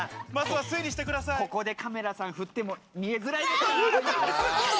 ここでカメラさん振っても見えづらいですから。